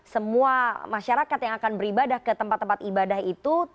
semua masyarakat yang akan beribadah ke tempat tempat ibadah itu